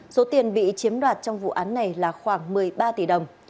số tiền bị chiếm đoạt trong vụ án này là khoảng một mươi ba tỷ đồng